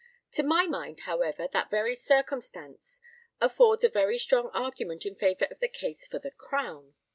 To my mind, however, that very circumstance affords a very strong argument in favour of the case for the Crown.